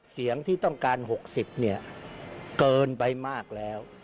เสียงที่ต้องการ๖๐เนี่ยเกินไปมากแล้ว